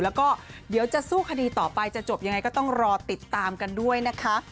แล้วก็เดี๋ยวจะสู้คดีต่อไปจะจบยังไงก็ต้องรอติดตามกันด้วยนะคะ